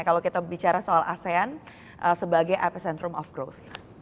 kalau kita bicara soal asean sebagai epicentrum of growth